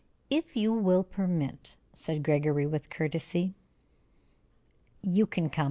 "If you will permit," said Gregory, with courtesy. "You can come.